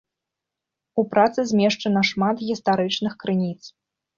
У працы змешчана шмат гістарычных крыніц.